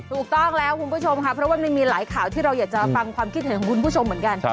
ถูกต้องแล้วคุณผู้ชมค่ะเพราะว่ามันมีหลายข่าวที่เราอยากจะฟังความคิดเห็นของคุณผู้ชมเหมือนกัน